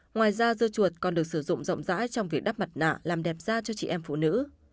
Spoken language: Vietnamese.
ngoài ra dưa chuột còn được sử dụng rộng rãi trong việc đắp mặt nạ làm đẹp da cho chị em phụ nữ